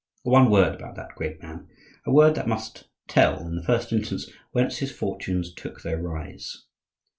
One word about that great man,—a word that must tell, in the first instance, whence his fortunes took their rise.